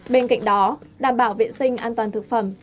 bên cạnh đó đảm bảo vệ sinh an toàn thực phẩm